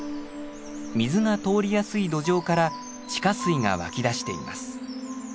水が通りやすい土壌から地下水が湧き出しています。